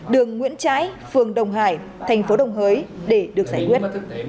đường nguyễn trãi phường đồng hải thành phố đồng hới để được giải quyết